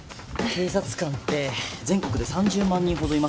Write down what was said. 警察官って全国で３０万人ほどいますよね。